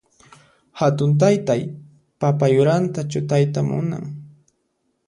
Hatun taytay papa yuranta chutayta munan.